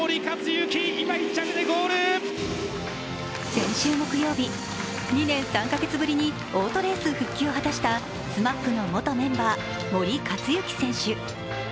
先週木曜日、２年３か月ぶりにオートレース復帰を果たしたＳＭＡＰの元メンバー森且行選手。